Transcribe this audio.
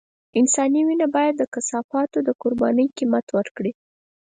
انساني وينه بايد د کثافاتو د قربانۍ قيمت ورکړي.